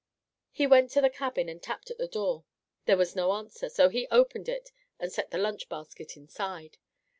He went to the cabin and tapped at the door; there was no answer, so he opened it and set the lunch basket inside.